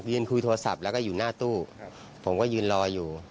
ยืนคุยโทรศัพท์แล้วก็อยู่หน้าตู้ผมก็ยืนรออยู่